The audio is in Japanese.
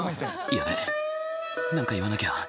やべえ何か言わなきゃ。